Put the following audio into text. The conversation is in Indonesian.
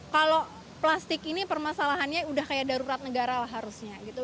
kalau plastik ini permasalahannya udah kayak darurat negara lah harusnya gitu